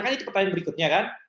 kan itu pertanyaan berikutnya kan